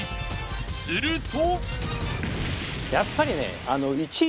すると。